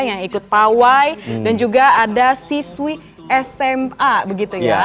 yang ikut pawai dan juga ada siswi sma begitu ya